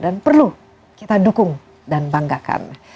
dan perlu kita dukung dan banggakan